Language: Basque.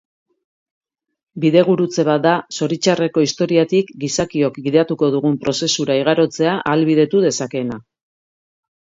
Bidegurutze bat da, zoritxarreko historiatik gizakiok gidatuko dugun prozesura igarotzea ahalbidetu dezakeena.